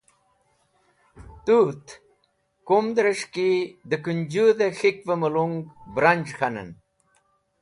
Tũt, kum’dres̃h ki dẽ kKũnjhũdh-e K̃hik’v-e mulung branj̃ k̃hanen.